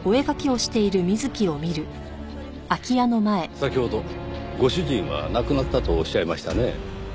先ほどご主人は亡くなったとおっしゃいましたね。